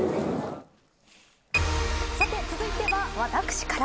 さて、続いては私から。